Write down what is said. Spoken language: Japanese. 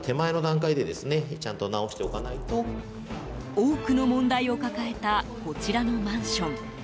多くの問題を抱えたこちらのマンション。